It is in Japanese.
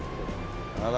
あら。